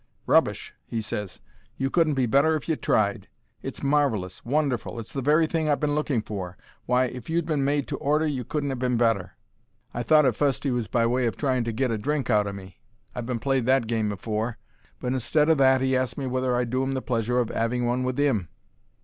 "Rubbish!" he ses. "You couldn't be better if you tried. It's marvellous! Wonderful! It's the very thing I've been looking for. Why, if you'd been made to order you couldn't ha' been better." I thought at fust he was by way of trying to get a drink out o' me—I've been played that game afore—but instead o' that he asked me whether I'd do 'im the pleasure of 'aving one with 'im.